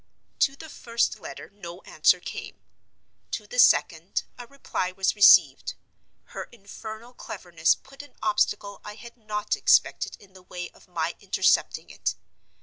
To the first letter no answer came. To the second a reply was received. Her infernal cleverness put an obstacle I had not expected in the way of my intercepting it.